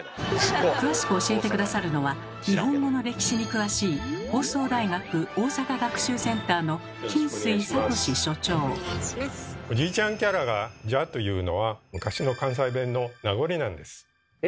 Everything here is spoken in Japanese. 詳しく教えて下さるのは日本語の歴史に詳しいおじいちゃんキャラが「じゃ」と言うのは昔の関西弁の名残なんです。え？